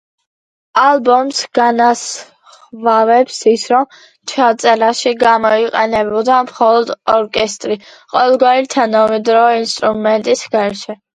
ალბომს განასხვავებს ის, რომ ჩაწერაში გამოიყენებოდა მხოლოდ ორკესტრი, ყოველგვარი თანამედროვე ინსტრუმენტის გარეშე.